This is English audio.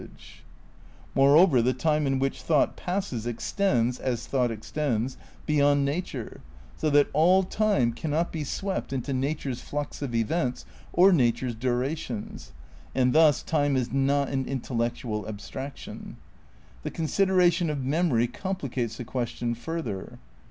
m THE CRITICAL PREPARATIONS 111 Moreover the time in whioli thought passes extends, as thought extends, beyond nature, so that all time can not be swept into nature's flux of events or nature's durations ; and thus time is not an intellectual abstrac tion. The consideration of memory complicates the question further.